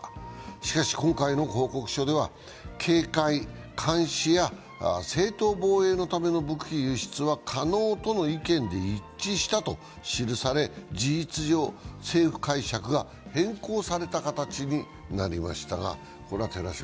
しかし、今回の報告書では警戒・監視や正当防衛のための武器輸出は可能との意見で一致したと記され、事実上、政府解釈が変更された形になりました。